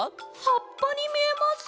はっぱにみえます。